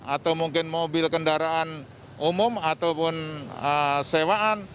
atau mungkin mobil kendaraan umum ataupun sewaan